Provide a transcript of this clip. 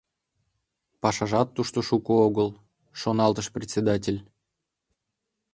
«Пашажат тушто шуко огыл», — шоналтыш председатель.